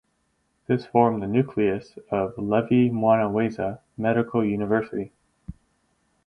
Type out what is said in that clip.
This formed the nucleus of Levy Mwanawasa Medical University.